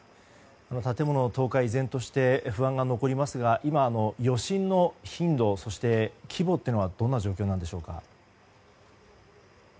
建物の倒壊、依然として不安が残りますが今、余震の頻度そして、規模というのはどんな状況なんでしょうか。